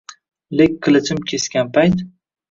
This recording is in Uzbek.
Lek qilichim kesgan payt